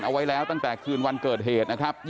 เอาไว้แล้วตั้งแต่คืนวันเกิดเหตุนะครับ